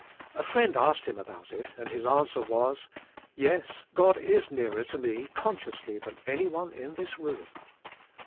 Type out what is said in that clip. A friend asked him about it, and his answer was: '*Yes, God is nearer to me, consciously, than any one in this room."